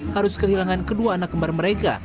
harus kehilangan kedua anak kembar mereka